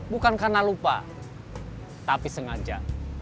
bukan karena lupa tapi sengaja